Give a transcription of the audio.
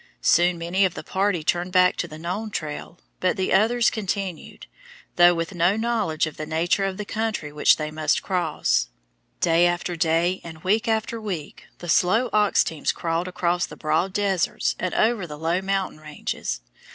Soon many of the party turned back to the known trail, but the others continued, though with no knowledge of the nature of the country which they must cross. Day after day and week after week the slow ox teams crawled across the broad deserts and over the low mountain ranges.